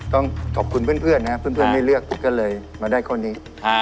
ต้องขอบคุณเพื่อนนะครับเพื่อนไม่เลือกก็เลยมาได้ข้อนี้